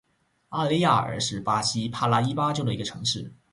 阿雷亚尔是巴西帕拉伊巴州的一个市镇。